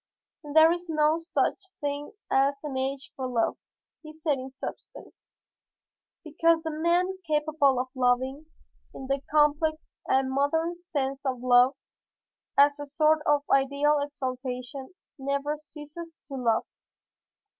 "There is no such thing as an age for love," he said in substance, "because the man capable of loving in the complex and modern sense of love as a sort of ideal exaltation never ceases to love.